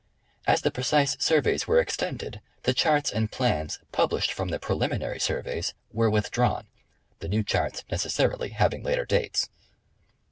As the precise surveys were extended the charts and plans published from the preliminary surveys were withdrawn, the new charts necessarily having later dates.